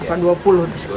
atau dua puluh dua puluh satu